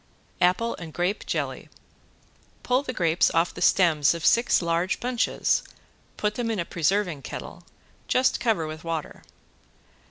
~APPLE AND GRAPE JELLY~ Pull the grapes off the stems of six large bunches, put them in a preserving kettle, just cover with water.